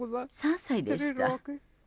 ３歳でした。